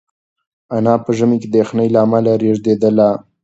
انا په ژمي کې د یخنۍ له امله رېږدېدله.